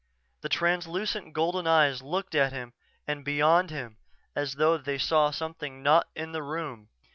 The translucent golden eyes looked at him and beyond him, as though they saw something not in the room.